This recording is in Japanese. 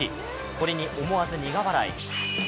これに思わず苦笑い。